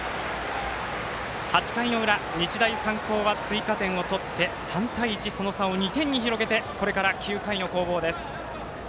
８回の裏、日大三高は追加点を取って３対１、その差を２点に広げてこれから９回の攻防です。